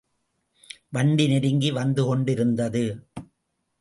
வண்டி நெருங்கி வந்துகொண்டிருந்தது.